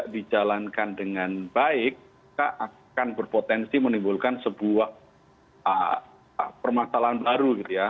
dijalankan dengan baik akan berpotensi menimbulkan sebuah permasalahan baru gitu ya